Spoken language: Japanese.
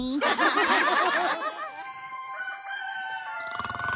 ハハハハハ！